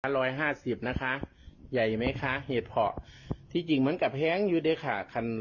ร้อน๑๕๐นะคะใหญ่มั้ยคะเหตุผลที่จิงเหมือนกับแห้งอยู่ด้วยค่ะกัน